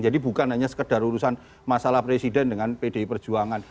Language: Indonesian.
jadi bukan hanya sekedar urusan masalah presiden dengan pdi perjuangan